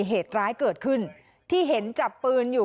เหตุร้ายเกิดขึ้นที่เห็นจับปืนอยู่